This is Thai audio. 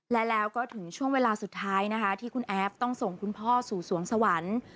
และแล้วก็ถึงช่วงเวลาสุดท้ายนะคะที่คุณแอฟต้องส่งคุณพ่อสู่สวงสวรรค์